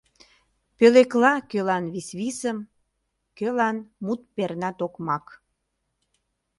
Пӧлекла кӧлан висвисым, Кӧлан мут перна токмак.